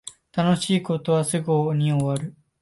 楽しい事はすぐに終わる